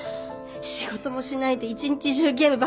仕事もしないで一日中ゲームばっかやって。